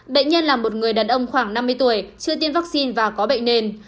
đệnh nhân là một người đàn ông khoảng năm mươi tuổi chưa tiên vaccine và có bệnh nền